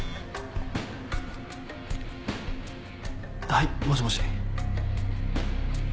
はいもしもし。